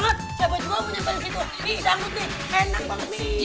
ih dangut nih enak banget sih